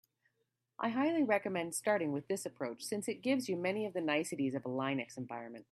I highly recommend starting with this approach, since it gives you many of the niceties of a Linux environment.